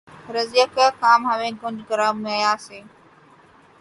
رضیہؔ کیا کام ہمیں گنج گراں مایہ سے